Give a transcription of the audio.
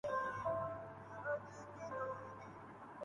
رمزیں ہیں محبت کی گستاخی و بیباکی